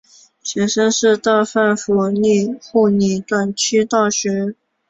前身是大阪府立护理短期大学。